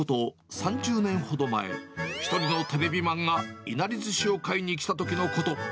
３０年ほど前、一人のテレビマンがいなりずしを買いに来たときのこと。